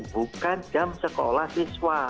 bukan jam sekolah siswa